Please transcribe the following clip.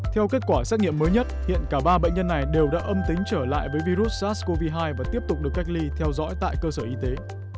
theo kết quả xét nghiệm mới nhất hiện cả ba bệnh nhân này đều đã âm tính trở lại với virus sars cov hai và tiếp tục được cách ly theo dõi tại cơ sở y tế